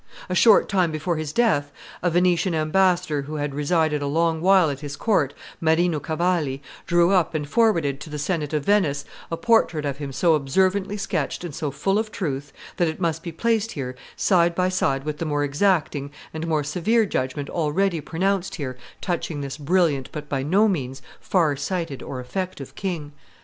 A short time before his death a Venetian ambassador who had resided a long while at his court, Marino Cavalli, drew up and forwarded to the Senate of Venice a portrait of him so observantly sketched and so full of truth that it must be placed here side by side with the more exacting and more severe judgment already pronounced here touching this brilliant but by no means far sighted or effective king.